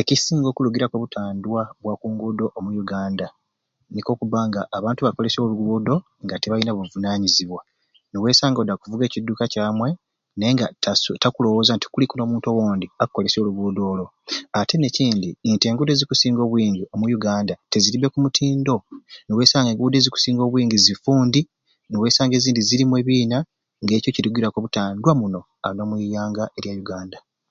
Ekisinga okulugiraku obutandwa bwa kungudo omu uganda nikoo kuba nga abantu bakolesya olugudo NBA tebalina buvunanyizibwa niwesanga nga odi okuluga ekiduka kyamwei naye ta takulowoza nti kuliku nomuntu owondi akolesya olugudo olwo ate nekyindi engudo ezikusinga obwingi o.u uganda teziribe oku mutindo niwesanga nga engudo ezikusinga obwingi zifundi niwesanga ezidi zirimu ebiina nga ekyo kirugiraku obutandwa muno ani omwiyanga olya Uganda